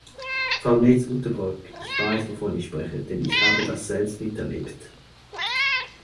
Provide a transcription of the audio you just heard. Frau Neyts-Uyttebroeck, ich weiß, wovon ich spreche, denn ich habe das selbst miterlebt!